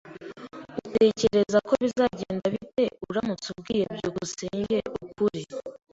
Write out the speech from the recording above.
Utekereza ko bizagenda bite uramutse ubwiye byukusenge ukuri?